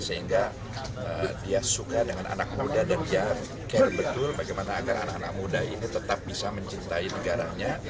sehingga dia suka dengan anak muda dan dia care betul bagaimana agar anak anak muda ini tetap bisa mencintai negaranya